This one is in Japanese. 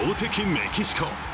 メキシコ。